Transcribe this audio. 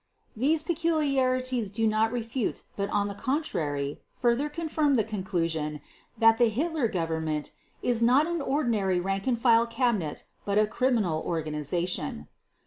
These peculiarities do not refute but on the contrary further confirm the conclusion that the Hitler Government is not an ordinary rank and file cabinet but a criminal organization.